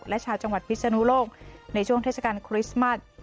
และชาวจังหวัดพิศนุโลกในช่วงเทศกาลคริสต์มัส